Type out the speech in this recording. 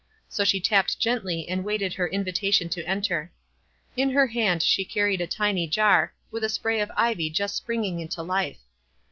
So she tapped gently, and waited her invitation to enter. In her hand she carried a tiny jar, with a spray of ivy just springing into life.